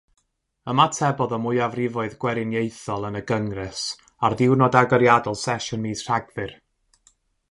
Ymatebodd y mwyafrifoedd Gweriniaethol yn y Gyngres ar ddiwrnod agoriadol Sesiwn mis Rhagfyr.